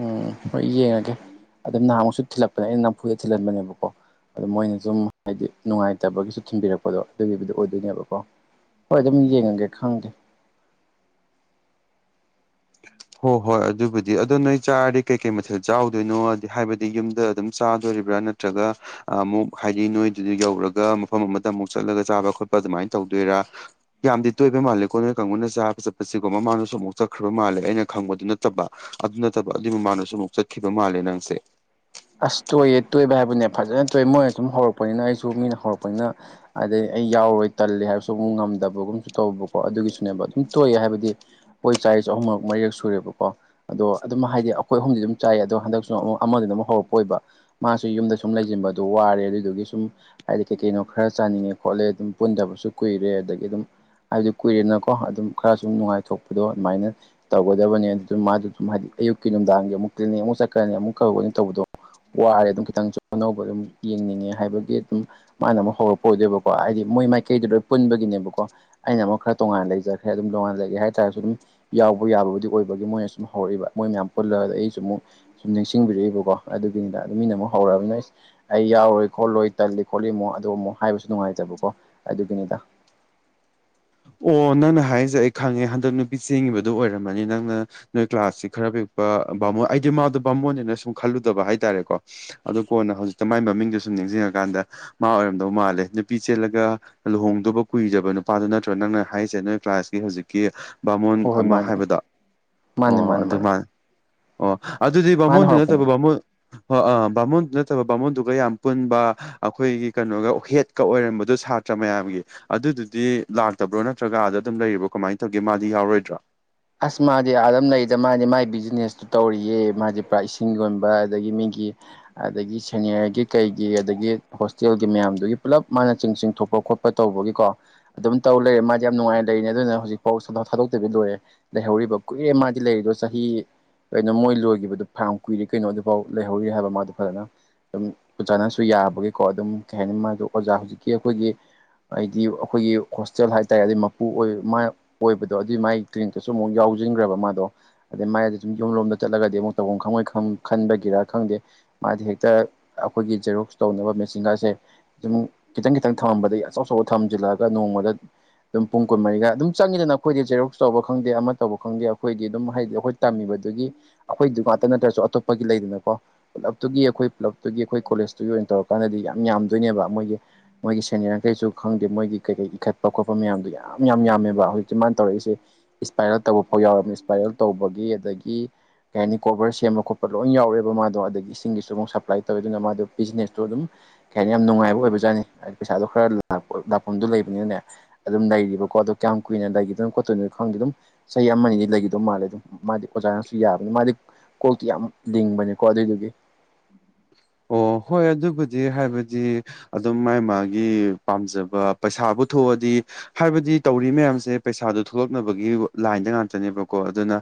ꯎꯝ ꯍꯣꯏ ꯌꯦꯡꯉꯒꯦ ꯑꯗꯨꯝ ꯅꯍꯥꯟꯃꯨꯛꯁꯨ ꯊꯤꯜꯂꯛꯄꯅꯦ ꯑꯩꯅ ꯅꯝꯐꯨꯗ ꯊꯤꯜꯍꯟꯕꯅꯦꯕꯀꯣ ꯑꯗꯣ ꯃꯣꯏꯅ ꯁꯨꯝ ꯍꯥꯏꯗꯤ ꯅꯨꯡꯉꯥꯏꯇꯕꯒꯤꯁꯨ ꯊꯤꯟꯕꯤꯔꯛꯄꯗꯣ ꯑꯗꯨꯒꯤꯕꯨꯗꯤ ꯑꯣꯏꯗꯣꯏꯅꯦꯕꯀꯣ ꯍꯣꯏ ꯑꯗꯨꯝ ꯌꯦꯡꯉꯒꯦ ꯈꯪꯗꯦ ꯍꯣꯏ ꯍꯣꯏ ꯑꯗꯨꯕꯨꯗꯤ ꯑꯗꯣ ꯅꯣꯏ ꯆꯥꯔꯗꯤ ꯀꯩꯀꯩ ꯃꯊꯦꯜ ꯆꯥꯎꯗꯣꯏꯅꯣ ꯍꯥꯏꯕꯗꯤ ꯌꯨꯝꯗ ꯑꯗꯨꯝ ꯆꯥꯗꯣꯔꯤꯕ꯭ꯔꯥ ꯅꯠꯇ꯭ꯔꯒ ꯑꯃꯨꯛ ꯍꯥꯏꯗꯤ ꯅꯣꯏꯗꯨꯗ ꯌꯧꯔꯒ ꯃꯐꯝ ꯑꯃꯗ ꯑꯃꯨꯛ ꯆꯠꯂꯒ ꯆꯥꯕ ꯈꯣꯠꯄ ꯑꯗꯨꯃꯥꯏꯅ ꯇꯧꯗꯣꯏꯔꯥ ꯌꯥꯝꯗꯤ ꯇꯣꯏꯕ ꯃꯥꯜꯂꯦꯀꯣ ꯅꯣꯏ ꯀꯥꯡꯕꯨꯅ ꯆꯥꯕ ꯆꯠꯄꯁꯤꯀꯣ ꯃꯃꯥꯡꯗꯁꯨ ꯑꯃꯨꯛ ꯆꯠ ꯈ꯭ꯔꯕ ꯃꯥꯜꯂꯦ ꯑꯩꯅ ꯈꯪꯕꯗꯨ ꯅꯠꯇꯕ ꯑꯗꯨ ꯅꯠꯇꯕ ꯑꯗꯨꯏ ꯃꯃꯥꯡꯗꯁꯨ ꯑꯃꯨꯛ ꯆꯠꯈꯤꯕ ꯃꯥꯜꯂꯦ ꯅꯪꯁꯦ ꯑꯁ ꯇꯣꯏꯌꯦ ꯇꯣꯏꯕ ꯍꯥꯏꯕꯨꯅꯦ ꯐꯖꯅ ꯇꯣꯏ ꯃꯣꯏꯅ ꯁꯨꯝ ꯍꯧꯔꯛꯄꯅꯤꯅ ꯑꯩꯁꯨ ꯃꯤꯅ ꯍꯧꯔꯛꯄꯅꯤꯅ ꯑꯗꯩ ꯑꯩ ꯌꯥꯎꯔꯣꯏ ꯇꯜꯂꯦ ꯍꯥꯏꯕꯁꯨ ꯑꯃꯨꯛ ꯉꯝꯗꯕꯒꯨꯝꯕꯁꯨ ꯇꯧꯕꯀꯣ ꯑꯗꯨꯒꯤꯁꯨꯅꯦꯕ ꯑꯗꯨꯝ ꯇꯣꯏꯑꯦ ꯍꯥꯏꯕꯗꯤ ꯈꯣꯏ ꯆꯥꯏꯁꯨ ꯑꯍꯨꯝꯔꯛ ꯃꯔꯤꯔꯛ ꯁꯨꯔꯦꯕꯀꯣ ꯑꯗꯣ ꯑꯗꯨꯝ ꯍꯥꯏꯗꯤ ꯑꯩꯈꯣꯏ ꯑꯍꯨꯝꯗꯤ ꯑꯗꯨꯝ ꯆꯥꯏꯌꯦ ꯑꯗꯣ ꯍꯟꯗꯛꯁꯨ ꯑꯃꯨꯛ ꯑꯃꯗꯨꯗ ꯍꯧꯔꯛ ꯑꯣꯏꯕ ꯃꯥꯁꯨ ꯌꯨꯝꯗ ꯁꯨꯝ ꯂꯩꯖꯤꯟꯕꯗꯣ ꯋꯥꯔꯦ ꯑꯗꯨꯗꯨꯒꯤ ꯁꯨꯝ ꯍꯥꯏꯗꯤ ꯀꯩꯀꯩꯅꯣ ꯈꯔ ꯆꯥꯅꯤꯡꯉꯦ ꯈꯣꯠꯂꯦ ꯑꯗꯨꯝ ꯄꯨꯟꯗꯕꯁꯨ ꯀꯨꯏꯔꯦ ꯑꯗꯒꯤ ꯑꯗꯨꯝ ꯍꯥꯏꯕꯗꯤ ꯀꯨꯏꯔꯦꯅꯀꯣ ꯑꯗꯨꯝ ꯈꯔ ꯁꯨꯝ ꯅꯨꯡꯉꯥꯏꯊꯣꯛꯄꯗꯣ ꯑꯗꯨꯃꯥꯏꯅ ꯇꯧꯒꯗꯕꯅꯤ ꯑꯗꯨꯝ ꯃꯥꯗꯨ ꯑꯗꯨꯝ ꯍꯥꯏꯗꯤ ꯑꯌꯨꯛꯀꯤ ꯅꯨꯡꯗꯥꯡꯒꯤ ꯑꯃꯨꯛ ꯀ꯭ꯂꯤꯅꯤꯛ ꯑꯃꯨꯛ ꯆꯠꯀꯅꯤ ꯑꯃꯨꯛ ꯀꯧꯒꯅꯤ ꯇꯧꯕꯗꯣ ꯋꯥꯔꯦ ꯑꯗꯨꯝ ꯈꯤꯇꯪꯖꯨ ꯑꯅꯧꯕ ꯑꯗꯨꯝ ꯌꯦꯡꯅꯤꯡꯉꯦ ꯍꯥꯏꯕꯒꯤ ꯑꯗꯨꯝ ꯃꯥꯅ ꯑꯃꯨꯛ ꯍꯧꯔꯛꯄ ꯑꯣꯏꯗꯣꯏꯕꯀꯣ ꯍꯥꯏꯗꯤ ꯃꯣꯏ ꯃꯥꯏꯀꯩꯗꯣ ꯂꯣꯏ ꯄꯨꯟꯕꯒꯤꯅꯦꯕꯀꯣ ꯑꯩꯅ ꯑꯃꯨꯛ ꯈꯔ ꯇꯣꯉꯥꯟꯅ ꯂꯩꯖꯈ꯭ꯔꯦ ꯑꯗꯨꯝ ꯇꯣꯉꯥꯟꯅ ꯂꯩꯒꯦ ꯍꯥꯏꯇꯥꯥꯔꯖꯨ ꯑꯗꯨꯝ ꯌꯥꯎꯕ ꯌꯥꯕꯕꯨꯗꯤ ꯑꯣꯏꯕꯒꯤ ꯃꯣꯏꯅ ꯁꯨꯝ ꯍꯧꯔꯛꯏꯕ ꯃꯣꯏ ꯃꯌꯥꯝ ꯄꯨꯜꯂꯒꯗ ꯑꯩꯁꯨ ꯑꯃꯨꯛ ꯁꯨꯝ ꯅꯤꯡꯁꯤꯡꯕꯤꯔꯛꯏꯕꯀꯣ ꯑꯗꯨꯒꯤꯅꯤꯗ ꯑꯗꯨ ꯃꯤꯅ ꯑꯃꯨꯛ ꯍꯧꯔꯛꯑꯕꯅꯤꯅ ꯏꯁ ꯑꯩ ꯌꯥꯎꯔꯣꯏ ꯈꯣꯠꯂꯣꯏ ꯇꯜꯂꯤ ꯈꯣꯠꯂꯤ ꯃꯨꯛ ꯑꯗꯨ ꯑꯃꯨꯛ ꯍꯥꯏꯕꯁꯨ ꯅꯨꯡꯉꯥꯏꯇꯕꯀꯣ ꯑꯗꯨꯒꯤꯅꯤꯗ ꯑꯣ ꯅꯪꯅ ꯍꯥꯏꯖꯦ ꯑꯩ ꯈꯪꯉꯦ ꯍꯟꯗꯛ ꯅꯨꯄꯤ ꯆꯦꯟꯒꯤꯕꯗꯣ ꯑꯣꯏꯔꯝꯃꯅꯤ ꯅꯪꯅ ꯅꯣꯏ ꯀ꯭ꯂꯥꯁꯁꯤ ꯈꯔ ꯄꯤꯛꯄ ꯕꯥꯃꯣꯟ ꯑꯩꯗꯤ ꯃꯗꯣ ꯕꯥꯃꯣꯟꯅꯦꯅ ꯁꯨꯝ ꯈꯜꯂꯨꯗꯕ ꯍꯥꯏꯇꯥꯔꯦꯀꯣ ꯑꯗꯨ ꯀꯣꯟꯅ ꯍꯧꯖꯤꯛꯇ ꯃꯥꯏ ꯃꯃꯤꯡꯗꯣ ꯁꯨꯝ ꯅꯤꯡꯁꯤꯡꯉꯀꯥꯟꯗ ꯃꯥ ꯑꯣꯏꯔꯝꯗꯧ ꯃꯥꯜꯂꯦ ꯅꯨꯄꯤ ꯆꯦꯜꯂꯒ ꯂꯨꯍꯣꯡꯗꯕ ꯀꯨꯏꯗꯕ ꯅꯨꯄꯥꯗꯨ ꯅ ꯇ꯭ꯔꯣ ꯅꯪꯅ ꯍꯥꯏꯁꯦ ꯅꯣꯏ ꯀ꯭ꯂꯥꯁꯀꯤ ꯍꯧꯖꯤꯛꯀꯤ ꯕꯥꯃꯣꯟ ꯍꯣꯏ ꯍꯣꯏ ꯑꯃ ꯃꯥꯅꯤ ꯍꯥꯏꯕꯗꯣ ꯃꯥꯅꯤ ꯑꯣ ꯃꯥꯅꯤ ꯃꯥꯅꯤ ꯑꯗꯨꯃꯥꯟ ꯑꯣ ꯑꯗꯨꯗꯤ ꯃꯥꯅ ꯕꯥꯃꯣꯟꯗꯨ ꯍꯧꯔꯛꯄꯅꯦ ꯅꯠꯇꯕ ꯕꯥꯃꯣꯟ ꯑꯣ ꯑꯥ ꯕꯥꯃꯣꯟꯗꯨ ꯅꯠꯇꯕ ꯕꯥꯃꯣꯟꯗꯨꯒ ꯌꯥꯝ ꯄꯨꯟꯕ ꯑꯩꯈꯣꯏꯒꯤ ꯀꯩꯅꯣꯒ ꯍꯦꯠꯀ ꯑꯣꯏꯔꯝꯕꯗꯣ ꯁꯥꯇ꯭ꯔ ꯃꯌꯥꯝꯒꯤ ꯑꯗꯨꯗꯨꯗꯤ ꯂꯥꯛꯇꯕ꯭ꯔꯣ ꯅꯠꯇ꯭ꯔꯒ ꯑꯥꯗ ꯑꯗꯨꯝ ꯂꯩꯔꯤꯕ꯭ꯔꯣ ꯀꯃꯥꯏꯅ ꯇꯧꯒꯦ ꯃꯥꯗꯤ ꯌꯥꯎꯔꯣꯏꯗ꯭ꯔꯣ ꯑꯁ ꯃꯥꯗꯤ ꯑꯥꯗꯝ ꯂꯩꯗ ꯃꯥꯗꯤ ꯃꯥꯒꯤ ꯕꯤꯖꯤꯅꯦꯁꯇꯨ ꯇꯧꯔꯤꯌꯦ ꯃꯥꯗꯤ ꯄꯨꯔꯥ ꯏꯁꯤꯡ ꯌꯣꯟꯕ ꯑꯗꯒꯤ ꯃꯤꯒꯤ ꯑꯗꯒꯤ ꯁꯦꯅꯤꯌꯔꯒꯤ ꯀꯩꯒꯤ ꯑꯗꯒꯤ ꯍꯣꯁꯇꯦꯜꯒꯤ ꯃꯌꯥꯝꯗꯨꯒꯤ ꯄꯨꯂꯞ ꯃꯥꯅ ꯆꯤꯡ ꯆꯤꯡꯊꯣꯛꯄ ꯈꯣꯠ ꯄ ꯇꯧꯕꯒꯤꯀꯣ ꯑꯗꯨꯝ ꯇꯧ ꯂꯩꯔꯦ ꯃꯥꯗꯤ ꯌꯥꯝ ꯅꯨꯡꯉꯥꯏꯅ ꯂꯩꯔꯤꯅꯦ ꯑꯗꯨꯅ ꯍꯧꯖꯤꯛꯐꯥꯎ ꯁꯨꯡꯊꯥ ꯊꯥꯗꯣꯛꯇꯕꯤ ꯂꯣꯏꯔꯦ ꯂꯩꯍꯧꯔꯤꯕ ꯀꯨꯏꯔꯦ ꯃꯥꯗꯤ ꯂꯩꯔꯤꯗꯣ ꯆꯍꯤ ꯀꯩꯅꯣ ꯃꯣꯏ ꯂꯣꯏꯒꯤꯕꯗꯣ ꯐꯅꯌꯥꯝ ꯀꯨꯏꯔꯦ ꯀꯩꯅꯣ ꯑꯗꯨꯐꯥꯎ ꯂꯩꯍꯧꯔꯤ ꯍꯥꯏꯕ ꯃꯥꯗꯣ ꯐꯖꯅ ꯑꯗꯨꯝ ꯑꯣꯖꯥꯅꯁꯨ ꯌꯥꯕꯒꯤꯀꯣ ꯑꯗꯨꯝ ꯀꯩ ꯍꯥꯏꯅꯤ ꯃꯥꯗꯣ ꯑꯣꯖꯥ ꯍꯧꯖꯤꯛꯀꯤ ꯑꯩꯈꯣꯏꯒꯤ ꯑꯩꯗꯤ ꯑꯩꯈꯣꯏꯒꯤ ꯍꯣꯁꯇꯦꯜ ꯍꯥꯏꯇꯥꯔꯦ ꯑꯗꯨꯏ ꯃꯄꯨ ꯑꯣꯏ ꯃꯥꯏ ꯑꯣꯏꯕꯗꯣ ꯑꯗꯨꯏ ꯃꯥꯏ ꯇ꯭ꯋꯤꯟ ꯀꯩꯁꯨ ꯑꯃꯨꯛ ꯌꯥꯎꯖꯤꯟꯒ꯭ꯔꯦꯕ ꯃꯥꯗꯣ ꯑꯗꯩ ꯃꯥꯏꯗ ꯁꯨꯝ ꯌꯨꯝ ꯂꯣꯝꯗ ꯆꯠꯂꯒꯗꯤ ꯑꯃꯨꯛ ꯇꯧꯐꯝ ꯈꯪꯉꯣꯏ ꯈꯪ ꯈꯟꯕꯒꯤꯔꯥ ꯈꯪꯗꯦ ꯃꯥꯗꯤ ꯍꯦꯛꯇ ꯑꯩꯈꯣꯏꯒꯤ ꯖꯦꯔꯣꯛꯁ ꯇꯧꯅꯕ ꯃꯦꯆꯤꯟꯒꯥꯁꯦ ꯑꯗꯨꯝ ꯈꯤꯇꯪ ꯈꯤꯇꯪ ꯊꯝꯃꯝꯕꯗꯩ ꯑꯆꯧ ꯑꯆꯧꯕ ꯊꯝꯖꯤꯜꯂꯛꯑꯒ ꯅꯣꯡꯃꯗ ꯑꯗꯨꯝ ꯄꯨꯡ ꯀꯨꯟꯃꯔꯤꯒ ꯑꯗꯨꯝ ꯆꯪꯉꯤꯗꯅ ꯑꯩꯈꯣꯏꯗꯤ ꯖꯦꯔꯣꯛꯁ ꯇꯧꯕ ꯈꯪꯗꯦ ꯑꯃꯥ ꯇꯧꯕ ꯈꯪꯗꯦ ꯑꯩꯈꯣꯏꯗꯤ ꯑꯗꯨꯝ ꯍꯥꯏꯗꯤ ꯑꯩꯈꯣꯏ ꯇꯝꯃꯤꯕꯗꯨꯒꯤ ꯑꯩꯈꯣꯏꯗꯨ ꯉꯥꯠꯇ ꯅꯠꯇ꯭ꯔꯁꯨ ꯑꯇꯣꯞꯄꯒꯤ ꯂꯩꯗꯅꯀꯣ ꯄꯨꯂꯞꯇꯨꯒꯤ ꯑꯈꯣꯏ ꯄꯨꯂꯞꯇꯨꯒꯤ ꯑꯈꯣꯏ ꯀꯣꯂꯦꯖꯇꯨꯒꯤ ꯑꯣꯏꯅ ꯇꯧꯔꯀꯥꯟꯗꯗꯤ ꯌꯥꯝ ꯌꯥꯝꯗꯣꯏꯅꯦꯕ ꯃꯣꯏꯒꯤ ꯃꯣꯏꯒꯤ ꯁꯦꯅꯤꯌ꯭ꯔꯈꯩꯁꯨ ꯈꯪꯗꯦ ꯃꯣꯏꯒꯤ ꯀꯩꯀꯩ ꯏꯈꯠꯄ ꯈꯣꯠꯄ ꯃꯌꯥꯝꯗꯣ ꯌꯥꯝ ꯌꯥꯝ ꯌꯥꯝꯃꯦꯕ ꯍꯧꯖꯤꯛꯇꯤ ꯃꯥꯟ ꯇꯧꯔꯛꯏꯁꯦ ꯏꯁꯄꯥꯏꯔꯜ ꯇꯧꯕ ꯐꯥꯎ ꯌꯥꯎꯔꯝꯅꯦ ꯏꯁꯄꯥꯏꯔꯜ ꯇꯧꯕꯒꯤ ꯑꯗꯒꯤ ꯀꯩ ꯍꯥꯏꯅꯤ ꯀꯣꯕꯔ ꯁꯦꯝꯕ ꯈꯣꯠꯄ ꯂꯣꯏꯟ ꯌꯥꯎꯔꯑꯦꯕ ꯃꯥꯗꯣ ꯑꯗꯒꯤ ꯏꯁꯤꯡꯒꯤꯁꯨ ꯃꯨꯛ ꯁꯄ꯭ꯂꯥꯏ ꯇꯧꯋꯦ ꯑꯗꯨꯅ ꯃꯥꯗꯣ ꯕꯤꯖꯤꯅꯦꯁꯇꯨ ꯑꯗꯨꯝ ꯀꯩ ꯍꯥꯏꯅꯤ ꯌꯥꯝ ꯅꯨꯡꯉꯥꯏꯕ ꯑꯣꯏꯕꯖꯥꯠꯅꯦ [inaudible] ꯄꯩꯁꯥꯗꯣ ꯈꯔ ꯂꯥꯛꯄ ꯂꯥꯛꯐꯝꯗꯣ ꯂꯩꯕꯅꯤꯅꯅꯦ ꯑꯗꯨꯝ ꯂꯩꯔꯤꯕꯀꯣ ꯑꯗꯣ ꯀꯌꯥꯝꯀꯨꯏꯅ ꯂꯩꯒꯤꯗꯣꯅꯣ ꯈꯣꯠꯇꯣꯏꯅꯣ ꯈꯪꯗꯦ ꯗꯨꯝ ꯆꯍꯤ ꯑꯃꯥꯅꯤꯗꯤ ꯂꯩꯒꯤꯗꯣ ꯃꯥꯜꯂꯦ ꯑꯗꯨꯝ ꯃꯥꯗꯤ ꯑꯣꯖꯥꯅꯁꯨ ꯌꯥꯕꯅꯤ ꯃꯥꯗꯤ ꯀꯣꯛꯇꯤ ꯌꯥꯝ ꯂꯤꯡꯕꯅꯤꯀꯣ ꯑꯗꯨꯏꯗꯨꯒꯤ ꯑꯣ ꯍꯣꯏ ꯑꯗꯨꯕꯨꯗꯤ ꯍꯥꯏꯕꯗꯤ ꯑꯗꯨꯝ ꯃꯥꯥꯏ ꯃꯥꯒꯤ ꯄꯥꯝꯖꯕ ꯄꯩꯁꯥꯕꯨ ꯊꯣꯛꯑꯗꯤ ꯍꯥꯏꯕꯗꯤ ꯇꯧꯔꯤ ꯃꯌꯥꯝꯁꯦ ꯄꯩꯁꯥꯗꯣ ꯊꯣꯛꯂꯛꯅꯕꯒꯤ ꯂꯥꯏꯟꯗ ꯉꯥꯛꯇꯅꯦꯕꯀꯣ ꯑꯗꯨꯅ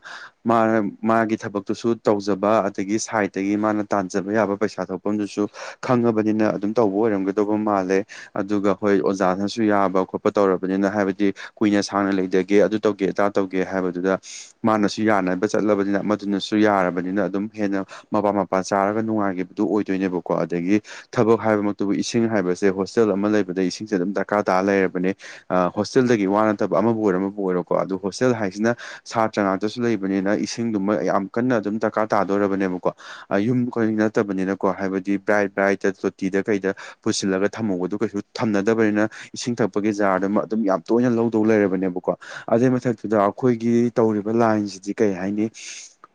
ꯃꯥꯅ ꯃꯥꯒꯤ ꯊꯕꯛꯇꯨꯁꯨ ꯇꯧꯖꯕ ꯑꯗꯒꯤ ꯁꯥꯏꯠꯇꯒꯤ ꯃꯥꯅ ꯇꯥꯟꯖꯕ ꯌꯥꯕ ꯄꯩꯁꯥ ꯊꯣꯛꯐꯝꯗꯨꯁꯨ ꯈꯪꯉꯕꯅꯤꯅ ꯑꯗꯨꯝ ꯇꯧꯕ ꯑꯣꯏꯔꯝꯒꯗꯧꯕ ꯃꯥꯜꯂꯦ ꯑꯗꯨꯒ ꯍꯣꯏ ꯑꯣꯖꯥꯅꯁꯨ ꯌꯥꯕ ꯈꯣꯠꯄ ꯇꯧꯔꯕꯅꯤꯅ ꯍꯥꯏꯕꯗꯤ ꯀꯨꯏꯅ ꯁꯥꯡꯅ ꯂꯩꯗꯒꯦ ꯑꯗꯨ ꯇꯧꯒꯦ ꯑꯗꯥ ꯇꯧꯒꯦ ꯍꯥꯏꯕꯗꯨꯗ ꯃꯥꯅꯁꯨ ꯌꯥꯅꯕ ꯆꯠꯂꯕꯅꯤꯅ ꯑꯃꯥꯗꯨꯅꯁꯨ ꯌꯥꯔꯕꯅꯤꯅ ꯑꯗꯨꯝ ꯍꯦꯟꯅ ꯃꯄꯥ ꯃꯄꯥ ꯆꯥꯔꯒ ꯅꯨꯡꯉꯥꯏꯒꯤꯕꯗꯨ ꯑꯣꯏꯗꯣꯏꯅꯦꯕꯀꯣ ꯑꯗꯒꯤ ꯊꯕꯛ ꯍꯥꯏꯕꯃꯛꯇꯕꯨ ꯏꯁꯤꯡ ꯍꯥꯏꯕꯁꯦ ꯍꯣꯁꯇꯦꯜ ꯑꯃꯥ ꯂꯩꯕꯗ ꯏꯁꯤꯡꯁꯦ ꯑꯗꯨꯝ ꯗꯔꯀꯥꯔ ꯇꯥꯔ ꯂꯩꯔꯕꯅꯦ ꯑꯥ ꯍꯣꯁꯇꯦꯜꯗꯒꯤ ꯋꯥ ꯅꯠꯇꯕ ꯑꯃꯕꯨ ꯑꯣꯏꯔꯣ ꯑꯃꯕꯨ ꯑꯣꯏꯔꯣꯀꯣ ꯑꯗꯨ ꯍꯣꯁꯇꯦꯜ ꯍꯥꯏꯁꯤꯅ ꯁꯥꯇ꯭ꯔꯥ ꯉꯥꯛꯇꯁꯨ ꯂꯩꯕꯅꯤꯅ ꯏꯁꯤꯡꯗꯨꯃ ꯌꯥꯝ ꯀꯟꯅ ꯑꯗꯨꯝ ꯗꯔꯀꯥꯔ ꯇꯥꯗꯣꯔꯕꯅꯦꯕꯀꯣ ꯑꯥ ꯌꯨꯝ ꯈꯣꯏ ꯅꯠꯇꯕꯅꯤꯅꯀꯣ ꯍꯥꯏꯕꯗꯤ ꯕ꯭ꯔꯥꯏꯠ ꯕ꯭ꯔꯥꯏꯠꯇꯥ ꯇꯣꯇꯤꯗ ꯀꯩꯗ ꯄꯨꯁꯤꯜꯂꯒ ꯊꯝꯍꯧꯕꯗꯨ ꯀꯩꯁꯨ ꯊꯝꯅꯗꯕꯅꯤꯅ ꯏꯁꯤꯡ ꯊꯛꯄꯒꯤ ꯖꯥꯔꯗꯨꯃ ꯑꯗꯨꯝ ꯌꯥꯝ ꯇꯣꯏꯅ ꯂꯧꯗꯧ ꯂꯩꯔꯕꯅꯦꯕꯀꯣ ꯑꯗꯨꯏ ꯃꯊꯛꯇꯨꯗ ꯑꯈꯣꯏꯒꯤ ꯇꯧꯔꯤꯕ ꯂꯥꯏꯟꯖꯤꯗꯤ ꯀꯩ ꯍꯥꯏꯅꯤ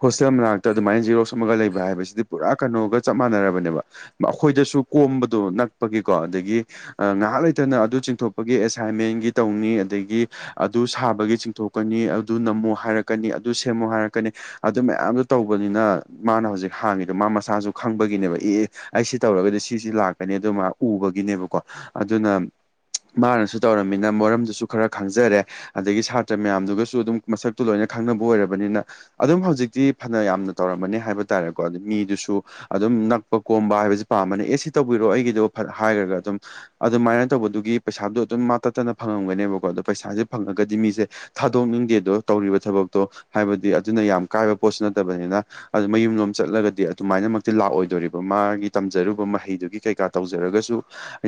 ꯍꯣꯁꯇꯦꯜ ꯃꯅꯥꯛꯇꯥ ꯑꯗꯨꯃꯥꯏꯟ ꯖꯤꯔꯣꯛꯁ ꯑꯃꯥꯒ ꯂꯩꯕ ꯍꯥꯏꯕꯁꯤꯗꯤ ꯄꯨꯔꯥ ꯀꯩꯅꯣꯒ ꯆꯞ ꯃꯥꯟꯅꯔꯕꯅꯦꯕ ꯃꯥ ꯑꯈꯣꯏꯗꯁꯨ ꯀꯣꯝꯕꯗꯣ ꯅꯛꯄꯒꯤꯀꯣ ꯑꯗꯒꯤ ꯑꯥ ꯉꯥꯍꯥꯛ ꯂꯩꯇꯅ ꯑꯗꯨ ꯆꯤꯡꯊꯣꯛꯄꯒꯤ ꯑꯦꯁꯥꯏꯟꯃꯦꯟꯒꯤ ꯇꯧꯅꯤ ꯑꯗꯒꯤ ꯑꯗꯨ ꯁꯥꯕꯒꯤ ꯆꯤꯡꯊꯣꯛꯀꯥꯅꯤ ꯑꯗꯨ ꯅꯝꯃꯣ ꯍꯥꯏꯔꯛꯀꯥꯅꯤ ꯑꯗꯨ ꯁꯦꯝꯃꯣ ꯍꯥꯏꯔꯛꯀꯥꯅꯤ ꯑꯗꯨ ꯃꯌꯥꯝꯗꯣ ꯇꯧꯕꯅꯤꯅ ꯃꯥꯅ ꯍꯧꯖꯤꯛ ꯍꯥꯡꯉꯤꯗꯣ ꯃꯥ ꯃꯁ ꯁꯥꯖꯨ ꯈꯪꯕꯒꯤꯅꯦꯕ ꯑꯦ ꯑꯦ ꯑꯩꯁꯤ ꯇꯧꯔꯒꯗꯤ ꯁꯤꯁꯤ ꯂꯥꯛꯀꯥꯅꯤ ꯑꯗꯨ ꯃꯥ ꯎꯕꯒꯤꯅꯦꯕꯀꯣ ꯑꯗꯨꯅ ꯃꯥꯅꯁꯨ ꯇꯧꯔꯝꯃꯤꯅ ꯃꯔꯝꯗꯨꯁꯨ ꯈꯔ ꯈꯪꯖꯔꯦ ꯑꯗꯒꯤ ꯁꯥꯇ꯭ꯔꯥ ꯃꯌꯥꯝꯗꯨꯒꯥꯁꯨ ꯑꯗꯨꯝ ꯃꯁꯛꯇꯨ ꯂꯣꯏꯅ ꯈꯪꯅꯕ ꯑꯣꯏꯔꯕꯅꯤꯅ ꯑꯗꯨꯝ ꯍꯧꯖꯤꯛꯇꯤ ꯐꯅ ꯌꯥꯝꯅ ꯇꯧꯔꯝꯃꯅꯤ ꯍꯥꯏꯕ ꯇꯥꯔꯦꯀꯣ ꯑꯗꯨ ꯃꯤꯗꯨꯁꯨ ꯑꯗꯨꯝ ꯅꯛꯄ ꯀꯣꯝꯕ ꯍꯥꯏꯕꯁꯤ ꯄꯥꯝꯕꯅꯤ ꯑꯦ ꯁꯤ ꯇꯧꯕꯤꯔꯣ ꯑꯩꯒꯤꯗꯣ ꯐꯠ ꯍꯥꯏꯔꯒꯥ ꯑꯗꯨꯝ ꯑꯗꯨꯃꯥꯏꯅ ꯇꯧꯕꯗꯨꯒꯤ ꯄꯩꯁꯥꯗꯣ ꯑꯗꯨꯝ ꯃꯥ ꯇꯠꯇꯅ ꯐꯪꯉꯝꯒꯅꯦꯕꯀꯣ ꯑꯗꯣ ꯄꯩꯁꯥꯖꯦ ꯐꯪꯉꯒꯗꯤ ꯃꯤꯖꯦ ꯊꯥꯗꯣꯛꯅꯤꯡꯗꯦꯗꯣ ꯇꯧꯔꯤꯕ ꯊꯕꯛꯇꯣ ꯍꯥꯏꯕꯗꯤ ꯑꯗꯨꯅ ꯌꯥꯝ ꯀꯥꯏꯕ ꯄꯣꯠꯁꯨ ꯅꯠꯇꯕꯅꯤꯅ ꯑꯗꯨ ꯃꯌꯨꯝꯂꯣꯝ ꯆꯠꯂꯒꯥꯗꯤ ꯑꯗꯨꯃꯥꯏꯅ ꯃꯛ ꯇꯤ ꯂꯥꯛꯑꯣꯏꯗꯣꯔꯤꯕ ꯃꯥꯒꯤ ꯇꯝꯖꯔꯨꯕ ꯃꯍꯩꯗꯨꯒꯤ ꯀꯩꯀꯥ ꯇꯧꯖꯔꯒꯥꯁꯨ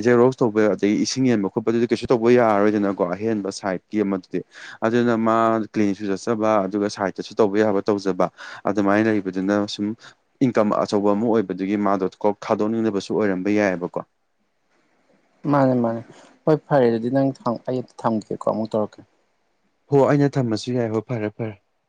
ꯖꯦꯔꯣꯛꯁ ꯇꯧꯕ ꯑꯗꯩ ꯏꯁꯤꯡ ꯌꯦꯟꯕ ꯈꯣꯠꯄꯗꯨꯗꯤ ꯀꯩꯁꯨ ꯇꯧꯕ ꯌꯥꯔꯔꯣꯏꯗꯅꯀꯣ ꯑꯍꯦꯟꯕ ꯁꯥꯏꯠꯀꯤ ꯑꯃꯗꯨꯗꯤ ꯑꯗꯨꯅ ꯃꯥ ꯀ꯭ꯂꯤꯅꯤꯁꯨ ꯆꯠꯆꯕ ꯑꯗꯨꯒ ꯁꯥꯏꯠꯇꯁꯨ ꯇꯧꯕ ꯌꯥꯕ ꯇꯧꯖꯕ ꯑꯗꯨꯃꯥꯏꯟ ꯂꯩꯕꯗꯨꯅ ꯁꯨꯝ ꯏꯟꯀꯝ ꯑꯆꯧꯕ ꯑꯃꯥ ꯑꯣꯏꯕꯗꯨꯒꯤ ꯃꯥꯗꯣ ꯀꯣꯛ ꯊꯥꯗꯣꯛꯅꯤꯡꯗꯕꯁꯨ ꯑꯣꯏꯔꯝꯕ ꯌꯥꯏꯕꯀꯣ ꯃꯥꯅꯦ ꯃꯥꯅꯦ ꯍꯣꯏ ꯐꯔꯦ ꯗꯨꯗꯤ ꯅꯪ ꯊꯝ ꯑꯩ ꯑꯇꯥ ꯊꯝꯒꯦꯀꯣ ꯑꯃꯨꯛ ꯇꯧꯔꯛꯀꯦ ꯍꯣ ꯑꯩꯅ ꯊꯝꯃꯁꯨ ꯌꯥꯏ ꯍꯣ ꯐꯔꯦ ꯐꯔꯦ